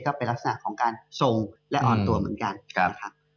ก็เป็นลักษณะของการทรงและอ่อนตัวเหมือนกันนะครับ